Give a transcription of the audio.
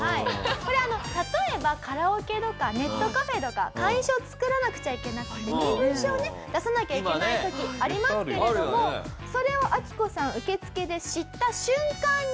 これあの例えばカラオケとかネットカフェとか会員証を作らなくちゃいけなくて身分証をね出さなきゃいけない時ありますけれどもそれをアキコさん受付で知った瞬間に。